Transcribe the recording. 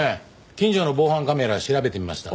近所の防犯カメラ調べてみました。